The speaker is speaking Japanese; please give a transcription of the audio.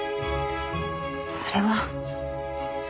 それは。